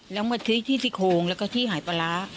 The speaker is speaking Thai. แล้วมันชี้ที่สิโครงแล้วก็ชี้หายปลาร้า